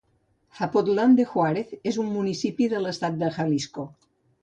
Zapotlán de Juárez és un municipi de l'estat de Jalisco.